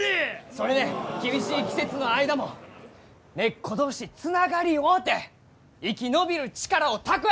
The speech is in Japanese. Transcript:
それで厳しい季節の間も根っこ同士つながり合うて生き延びる力を蓄える！